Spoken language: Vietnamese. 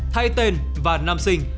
thay tên và năm sinh